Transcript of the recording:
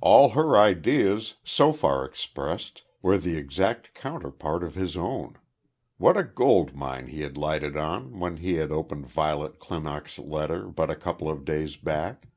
All her ideas, so far expressed, were the exact counterpart of his own. What a gold mine he had lighted on when he had opened Violet Clinock's letter but a couple of days back.